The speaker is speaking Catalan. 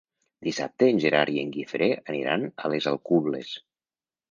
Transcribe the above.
Dissabte en Gerard i en Guifré aniran a les Alcubles.